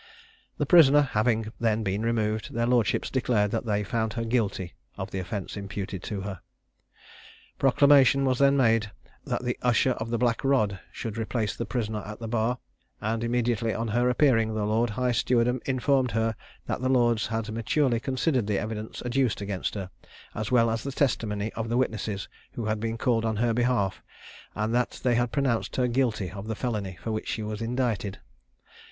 The prisoner having then been removed, their lordships declared that they found her guilty of the offence imputed to her. Proclamation was then made that the usher of the black rod should replace the prisoner at the bar; and immediately on her appearing, the lord high steward informed her that the lords had maturely considered the evidence adduced against her, as well as the testimony of the witnesses who had been called on her behalf, and that they had pronounced her guilty of the felony for which she was indicted.